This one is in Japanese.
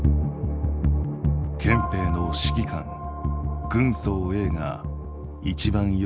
「憲兵の指揮官軍曹Ａが一番よく似ている」。